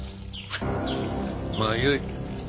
まあよい。